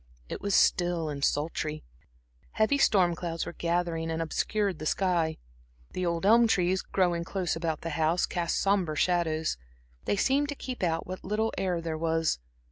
It was still and sultry; heavy storm clouds were gathering and obscured the sky. The old elm trees, growing close about the house, cast sombre shadows; they seemed to keep out what little air there was.